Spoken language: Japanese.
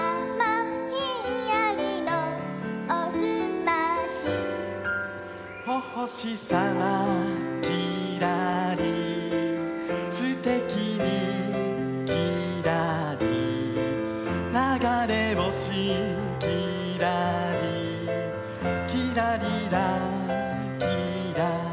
「ひんやりのおすまし」「お星さまきらり」「すてきにきらり」「ながれ星きらり」「きらりらきらりん」